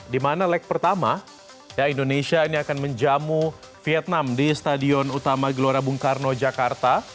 di mana leg pertama indonesia ini akan menjamu vietnam di stadion utama gelora bung karno jakarta